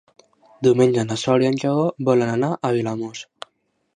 Diumenge na Sol i en Lleó volen anar a Vilamòs.